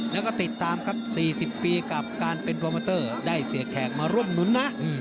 แล้วก็ติดตามครับ๔๐ปีกับการเป็นโปรโมเตอร์ได้เสียแขกมาร่วมหนุนนะ